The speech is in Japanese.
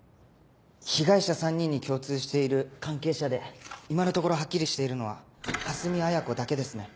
被害者３人に共通している関係者で今のところはっきりしているのは蓮見綾子だけですね。